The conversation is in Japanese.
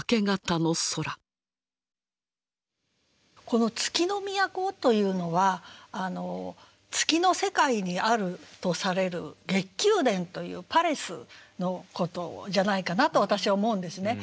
この「月の都」というのは月の世界にあるとされる月宮殿というパレスのことじゃないかなと私は思うんですね。